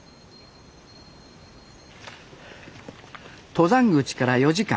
登山口から４時間。